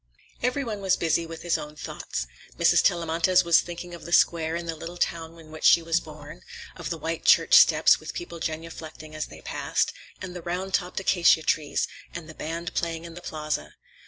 Every one was busy with his own thoughts. Mrs. Tellamantez was thinking of the square in the little town in which she was born; of the white church steps, with people genuflecting as they passed, and the round topped acacia trees, and the band playing in the plaza.